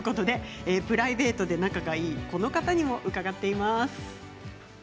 プライベートで仲がいいこの方にも伺っています。